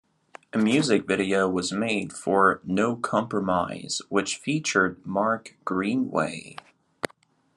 A music video was made for "No Compromise" which featured Mark Greenway.